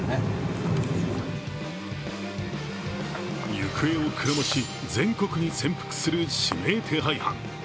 行方をくらまし、全国に潜伏する指名手配犯。